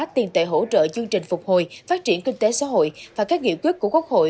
tiền tệ hỗ trợ chương trình phục hồi phát triển kinh tế xã hội và các nghị quyết của quốc hội